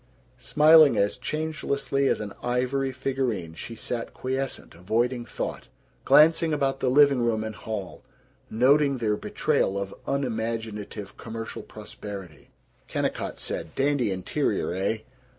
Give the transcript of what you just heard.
Smiling as changelessly as an ivory figurine she sat quiescent, avoiding thought, glancing about the living room and hall, noting their betrayal of unimaginative commercial prosperity. Kennicott said, "Dandy interior, eh?